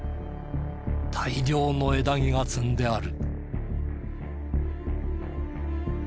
大量の枝木が積んである。